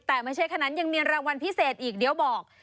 แต่ไม่ใช่แค่นั้นยังมีรางวัลพิเศษอีกเดี๋ยวบอก